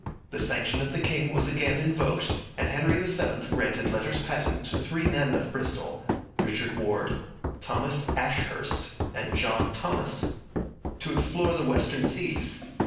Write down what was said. The sanction of the king was again invoked, and Henry VII granted letters patent to three men of Bristol Richard Warde, Thomas Ashehurst, and John Thomas to explore the western seas.